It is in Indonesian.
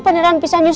seolah kau kabur